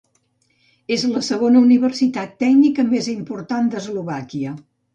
És la segona universitat tècnica més important d'Eslovàquia.